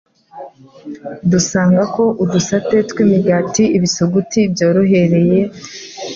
dusanga ko udusate tw’imigati, ibisuguti byorohereye,